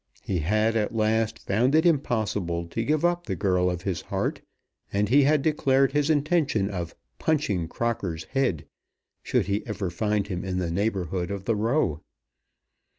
He had at last found it impossible to give up the girl of his heart, and he had declared his intention of "punching Crocker's head" should he ever find him in the neighbourhood of the Row.